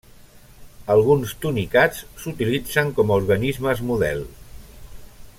Alguns tunicats s'utilitzen com a organismes model.